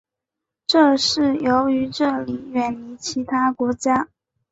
这是由于这里远离其他国家。